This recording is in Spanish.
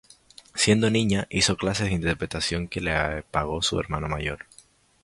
Siendo niña, hizo clases de interpretación que le pagó su hermano mayor.